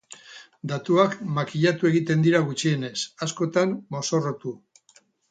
Datuak makillatu egiten dira gutxienez, askotan mozorrotu.